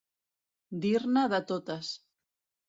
Dir-ne de totes.